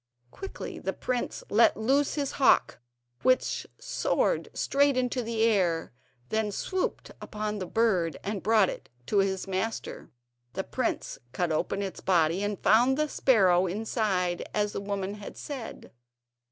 Quickly the prince let loose his hawk, which soared straight into the air, then swooped upon the bird and brought it to his master. The prince cut open its body and found the sparrow inside, as the old woman had said.